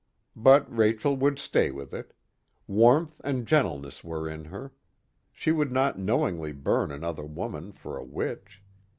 But Rachel would stay with it; warmth and gentleness were in her; she would not knowingly burn another woman for a witch.